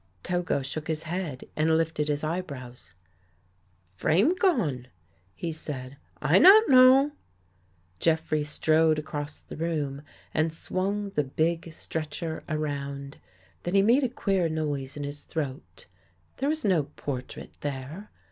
" Togo shook his head and lifted his eyebrows. " Frame gone," he said. " I not know." Jeffrey strode across the room and swung the big stretcher around. Then he made a queer noise in his throat. There was no portrait there.